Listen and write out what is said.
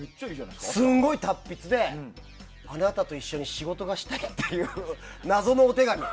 すごい達筆であなたと一緒に仕事がしたいという謎のお手紙。